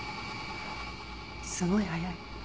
すごい早い。